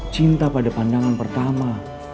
cinta pada pandangan pertama